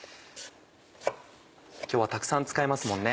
今日はたくさん使いますもんね。